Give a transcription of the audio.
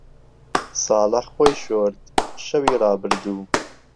ساڵح خۆی شۆرد، شەوی ڕابردوو.